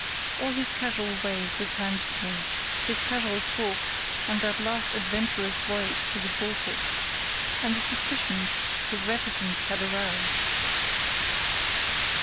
All his casual ways returned to me—his casual talk and that last adventurous voyage to the Baltic, and the suspicions his reticence had aroused.